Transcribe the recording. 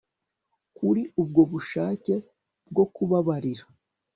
kuri ubwo bushake bwo kubabarira